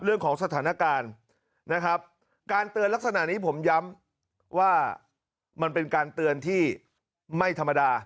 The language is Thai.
เรื่องของสถานการณ์นะครับการเตือนลักษณะนี้ผมย้ำว่ามันเป็นการเตือนที่ไม่ธรรมดา